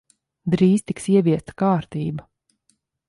Drīz tiks ieviesta kārtība.